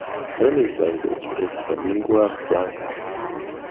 Burmese language is the lingua franca.